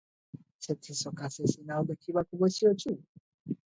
ସେଥିସକାଶେ ସିନା ଲେଖିବାକୁ ବସିଅଛୁ ।